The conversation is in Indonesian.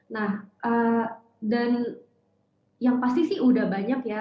nah dan yang pasti sih udah banyak ya